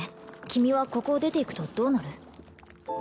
君はここを出て行くとどうなる？